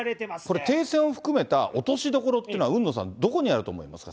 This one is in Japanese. これ、停戦を含めた落としどころというのは、海野さん、どこにあると思いますか。